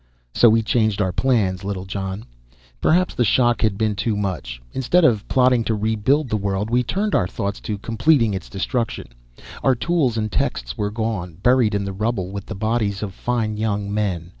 "So we changed our plans, Littlejohn. Perhaps the shock had been too much. Instead of plotting to rebuild the world, we turned our thoughts to completing its destruction. Our tools and texts were gone, buried in the rubble with the bodies of fine young men.